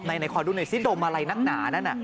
ในความรู้หน่อยซิดมอะไรหนักหนานั่นน่ะ